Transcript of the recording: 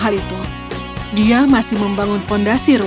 babi ketiga tidak merasa terganggu tentang hal itu